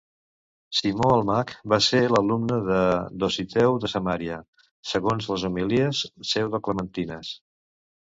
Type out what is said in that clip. Simó el Mag va ser l'alumne de Dositeu de Samaria, segons les Homilies Pseudoclementines.